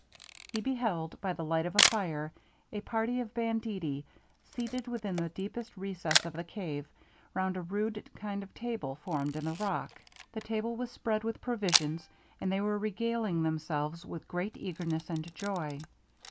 He beheld, by the light of a fire, a party of banditti seated within the deepest recess of the cave round a rude kind of table formed in the rock. The table was spread with provisions, and they were regaling themselves with great eagerness and joy.